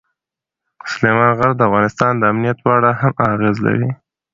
سلیمان غر د افغانستان د امنیت په اړه هم اغېز لري.